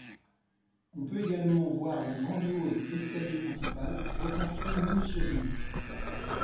On peut également voir le grandiose escalier principal, reconstruit minutieusement.